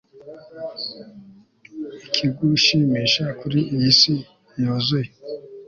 ikigushimisha, kuri iyi si yuzuye